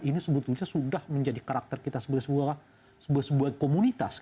ini sebetulnya sudah menjadi karakter kita sebagai sebuah komunitas